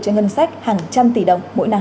cho ngân sách hàng trăm tỷ đồng mỗi năm